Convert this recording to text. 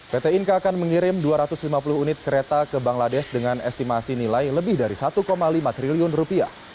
pt inka akan mengirim dua ratus lima puluh unit kereta ke bangladesh dengan estimasi nilai lebih dari satu lima triliun rupiah